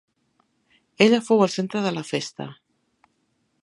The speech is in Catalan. Ella fou el centre de la festa.